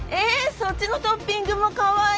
そっちのトッピングもかわいい！